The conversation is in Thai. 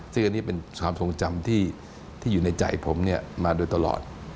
ซึ่งอันนี้เป็นความทรงจำที่อยู่ในใจผมมาโดยตลอด